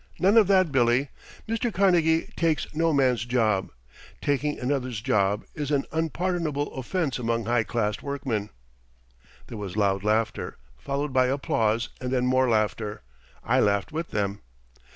"None of that, Billy. Mr. Carnegie 'takes no man's job.' Taking another's job is an unpardonable offense among high classed workmen." There was loud laughter, followed by applause, and then more laughter. I laughed with them.